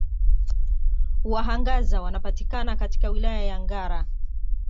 Wahangaza wanapatikana katika Wilaya ya Ngara